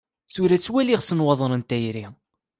Tura ttwaliɣ s nnwaḍer n tayri.